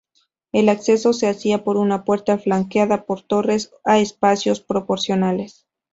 El acceso se hacía por una puerta flanqueada por torres, a espacios proporcionales.